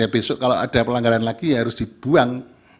besok kalau ada pelanggaran lagi harus dibuang